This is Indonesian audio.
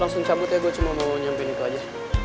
langsung cabut ya gue cuma mau nyamping itu aja